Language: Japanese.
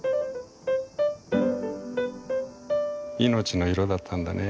「いのちの色」だったんだね。